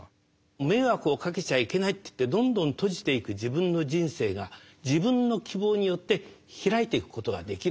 迷惑をかけちゃいけないっていってどんどん閉じていく自分の人生が自分の希望によって開いていくことができる。